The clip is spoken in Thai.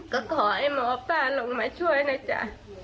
ก็ขอให้หมอป้าลงมาช่วยนะจ๊ะ